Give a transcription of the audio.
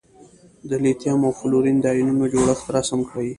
د لیتیم او فلورین د ایونونو جوړښت رسم کړئ.